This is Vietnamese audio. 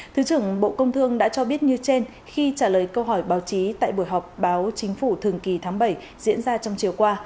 thứ trưởng bộ công thương đã cho biết như trên khi trả lời câu hỏi báo chí tại buổi họp báo chính phủ thường kỳ tháng bảy diễn ra trong chiều qua